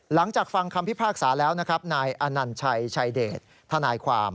หลังจากฟังคำพิพากษาแล้วนะครับนายอนัญชัยชายเดชทนายความ